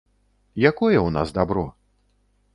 Якое ў нас дабро?